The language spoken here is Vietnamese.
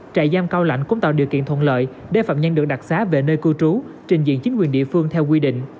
trại giam cao lãnh cũng tạo điều kiện thuận lợi để phạm nhân được đặc xá về nơi cư trú trình diện chính quyền địa phương theo quy định